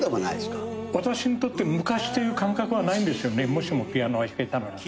『もしもピアノが弾けたなら』